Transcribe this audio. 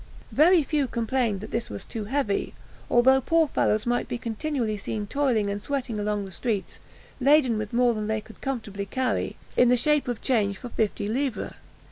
Very few complained that this was too heavy, although poor fellows might be continually seen toiling and sweating along the streets, laden with more than they could comfortably carry, in the shape of change for fifty livres.